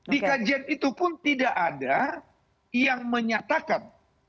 di kajian itu pun tidak ada yang menyatakan